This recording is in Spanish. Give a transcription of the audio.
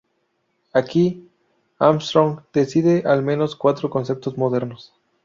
Aquí, Armstrong describe al menos cuatro conceptos modernos.